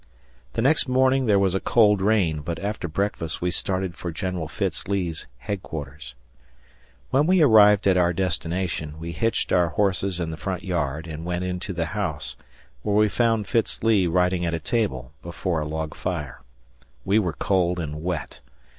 The next morning there was a cold rain, but after breakfast we started for General Fitz Lee's headquarters. When we arrived at our destination, we hitched our horses in the front yard and went into the house, where we found Fitz Lee writing at a table before a log fire. We were cold and wet.